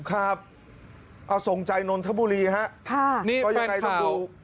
ครับเอาส่งใจนนทบุรีฮะค่ะนี่เพราะยังไงต้องดู